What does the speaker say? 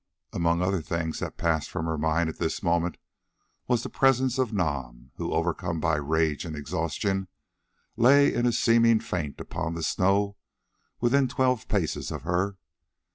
Among other things that passed from her mind at this moment was the presence of Nam, who, overcome by rage and exhaustion, lay in a seeming faint upon the snow within twelve paces of her.